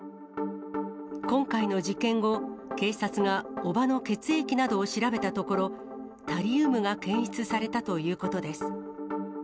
今回の事件後、警察が叔母の血液などを調べたところ、タリウムが検出されたということです。